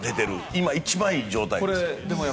今、一番いい状態です。